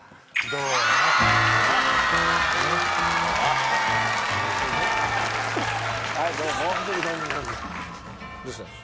どうしたの？